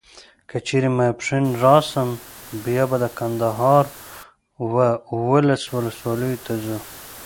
که چیري ماپښین راسم بیا به د کندهار و اولس ولسوالیو ته ځو.